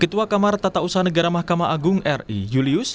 ketua kamar tata usaha negara mahkamah agung ri julius